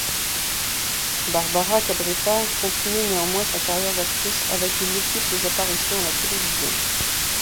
Barbara Cabrita continue néanmoins sa carrière d’actrice avec de multiples apparitions à la télévision.